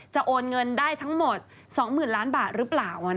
โอนเงินได้ทั้งหมด๒๐๐๐ล้านบาทหรือเปล่า